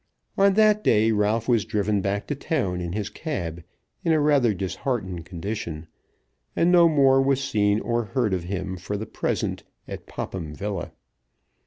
On that day Ralph was driven back to town in his cab, in a rather disheartened condition, and no more was seen or heard of him for the present at Popham Villa.